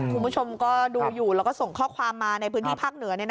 คุณผู้ชมก็ดูอยู่แล้วก็ส่งข้อความมาในพื้นที่ภาคเหนือ